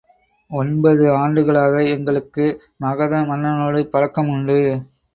ஒன்பது ஆண்டுகளாக எங்களுக்கு மகத மன்னனோடு பழக்கமுண்டு.